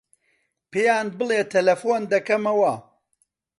پێیان بڵێ تەلەفۆن دەکەمەوە.